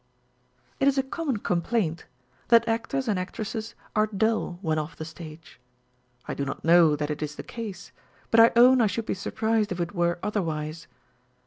It is a common complaint, that actors and actresses are dull when off the stage. I do not know that it is the case ; but I own I should be surprised if it were otherwise.